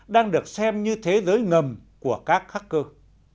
đang được xem như thế giới ngầm của các hacker